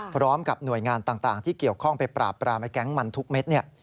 พร้อมกับหน่วยงานต่างที่เกี่ยวข้องไปปราบปรามไอแก๊งมันทุกเม็ดเนี่ย